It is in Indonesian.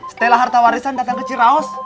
stella harta warisan datang ke ciraos